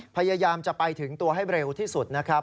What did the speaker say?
พยายามจะไปถึงตัวให้เร็วที่สุดนะครับ